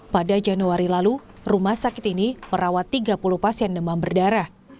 pada januari lalu rumah sakit ini merawat tiga puluh pasien demam berdarah